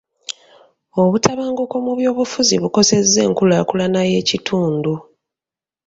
Obutabanguko mu byobufuzi bukosezza enkulaakulana y'ekitundu.